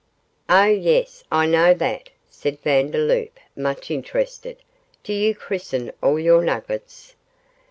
'Oh, yes, I know that,' said Vandeloup, much interested; 'do you christen all your nuggets?